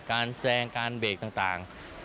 แซงการเบรกต่าง